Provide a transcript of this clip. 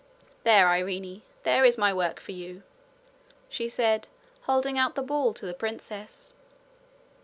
'There, Irene; there is my work for you!' she said, holding out the ball to the princess.